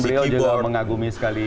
beliau juga mengagumi sekali